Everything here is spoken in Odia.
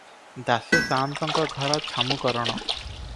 ଦାସେ ସା'ନ୍ତଙ୍କ ଘର ଛାମୁକରଣ ।